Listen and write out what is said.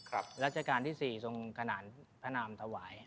รัชกาลที่๔ทรงขนานพระนามถวาย